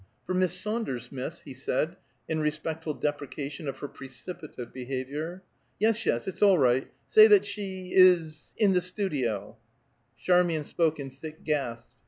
"For Miss Saunders, miss," he said, in respectful deprecation of her precipitate behavior. "Yes, yes; it's all right. Say that she is in the studio." Charmian spoke in thick gasps.